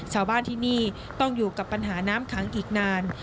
ชาวบ้านที่นี่ต้องอยู่กับปัญหาน้ำขังอีกนาน